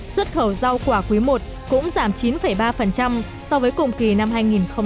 xuất khẩu rau quả quý i cũng giảm chín ba